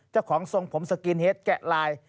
เจ้าของทรงผมสกินเฮดแกะลาย